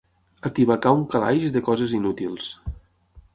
Atibacar un calaix de coses inútils.